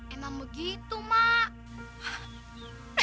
emang begitu mak